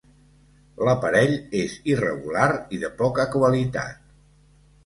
L'aparell és irregular i de poca qualitat.